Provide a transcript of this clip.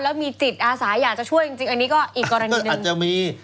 แล้วมีจิตอาสาอยากจะช่วยจริงอันนี้ก็อีกกรณีหนึ่งมันจะมี